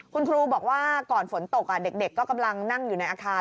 คุณครูบอกว่าก่อนฝนตกเด็กก็กำลังนั่งอยู่ในอาคาร